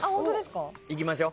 いきましょう。